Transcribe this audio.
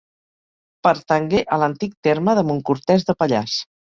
Pertangué a l'antic terme de Montcortès de Pallars.